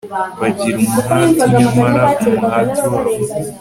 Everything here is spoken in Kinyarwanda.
bagira umuhati nyamara umuhati wabo